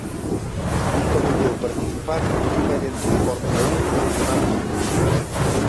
Nunca volveu participar nun evento de Fórmula Un do Campionato do Mundo.